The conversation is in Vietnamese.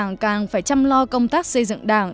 càng tự hào về đảng càng phải chăm lo công tác xây dựng đảng